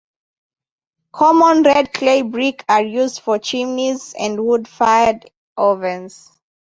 Common red clay brick are used for chimneys and wood-fired ovens.